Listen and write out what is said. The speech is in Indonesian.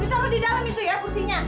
ditaruh di dalam itu ya kursinya